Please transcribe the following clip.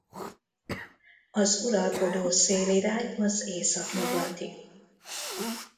Az uralkodó szélirány az északnyugati.